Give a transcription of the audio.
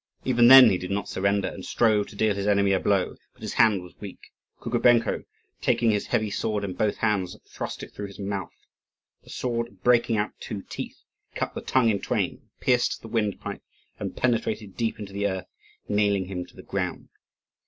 Even then he did not surrender and strove to deal his enemy a blow, but his hand was weak. Kukubenko, taking his heavy sword in both hands, thrust it through his mouth. The sword, breaking out two teeth, cut the tongue in twain, pierced the windpipe, and penetrated deep into the earth, nailing him to the ground.